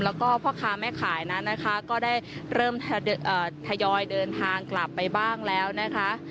แล้วก็พ่อค้าแม่ขายนั้นนะคะก็ได้เริ่มทยอยเดินทางกลับไปบ้างแล้วนะคะ